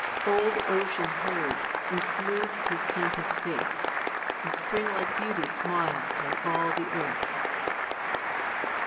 Old ocean heard, and smoothed his tempest face ; And spring like beauty smiPd on all the earth.